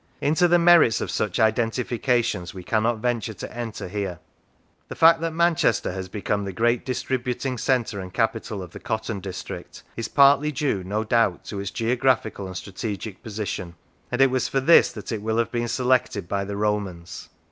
Into the merits of such identifications we cannot venture to enter here. The fact that Manchester has become the great distributing centre and capital of the cotton district, is partly due, no doubt, to its geographical and strategic position, and it was for this that it will have been selected by the Romans.